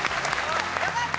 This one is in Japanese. よかった。